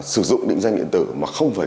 sử dụng định danh điện tử mà không phải